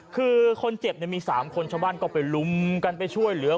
คือคนเจ็บมี๓คนชาวบ้านก็ไปลุมกันไปช่วยเหลือ